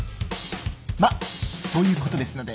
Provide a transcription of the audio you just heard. まっそういうことですので。